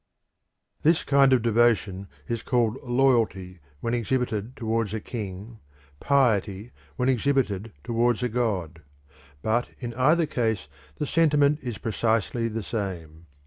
This kind of devotion is called loyalty when exhibited towards a king, piety when exhibited towards a god. But in either case the sentiment is precisely the same.